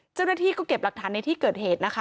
เจ้าหน้าที่ก็เก็บหลักฐานในที่เกิดเหตุนะคะ